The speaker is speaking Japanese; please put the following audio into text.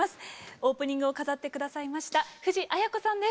オープニングを飾って下さいました藤あや子さんです。